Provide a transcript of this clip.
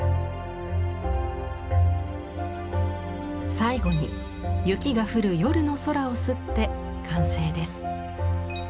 最後に雪が降る夜の空を摺って完成です。